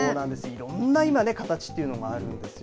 いろんな今、形というのがあるんですよ。